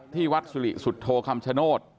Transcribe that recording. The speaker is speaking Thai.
ที่วัดสุริสุทธโธคำชโนธ